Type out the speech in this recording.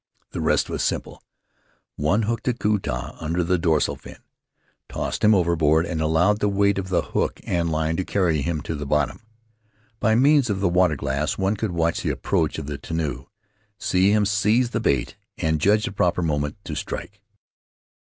The rest was simple: one hooked a ku ta under the dorsal fin, tossed him overboard, and allowed the weight of the hook and line to carry him to the bottom. By means of the water glass, one could watch the approach of the tenu, see bim seize the bait, and judge the proper moment to strike.